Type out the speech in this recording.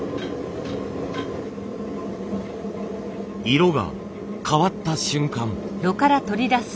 色が変わった瞬間。